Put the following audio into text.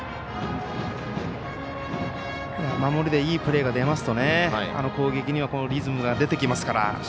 守りでいいプレーが出ますと攻撃にもリズムが出てきますから。